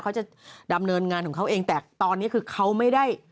เขาจะดำเนินงานของเขาเองแต่ตอนนี้คือเขาไม่ได้